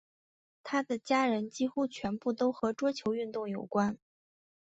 她的家人几乎全部都和桌球运动有关。